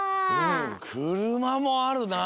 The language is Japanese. くるまもあるなあ。